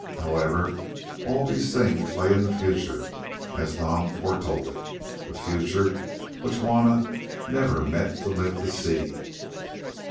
However, all these things lay in the future as Nam foretold it, a future which Juanna never meant to live to see.